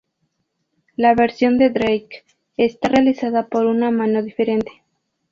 La versión de "Drake", está realizada por una mano diferente.